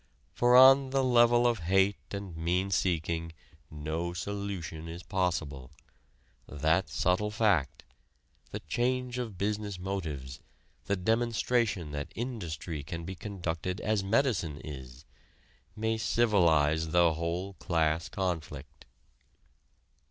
For on the level of hate and mean seeking no solution is possible. That subtle fact, the change of business motives, the demonstration that industry can be conducted as medicine is, may civilize the whole class conflict.